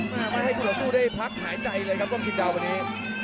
ไม่ให้ทุกคนสู้ได้พักหายใจเลยครับต้มชิงดาววันนี้